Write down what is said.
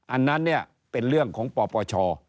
อันนั้นเนี่ยเป็นเรื่องของปปช